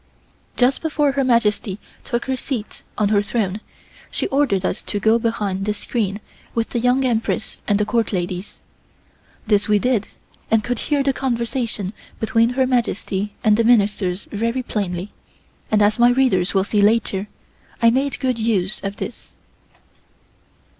Just before Her Majesty took her seat on her throne she ordered us to go behind this screen with the Young Empress and the Court ladies. This we did, and could hear the conversation between Her Majesty and the Ministers very plainly, and as my readers will see later, I made good use of this.